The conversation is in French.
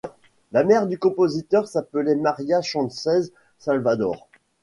La mère du compositeur s'appelait María Sánchez Salvador.